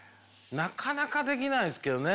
なかなかできないっすけどね。